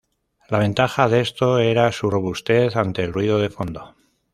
La ventaja de esto era su robustez ante el ruido de fondo.